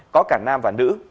có cả nam và nữ